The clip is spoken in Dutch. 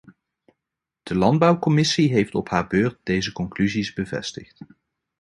De landbouwcommissie heeft op haar beurt deze conclusies bevestigd.